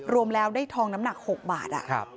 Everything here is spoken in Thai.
รวมแล้วได้ทองน้ำหนัก๖บาท